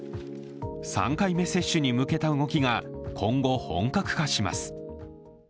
３回目接種に向けた動きが今後、本格化します。